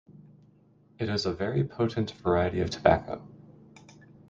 It is a very potent variety of tobacco.